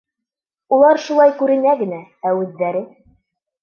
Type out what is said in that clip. — Улар шулай күренә генә, ә үҙҙәре...